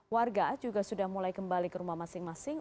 warga juga sudah mulai kembali ke rumah masing masing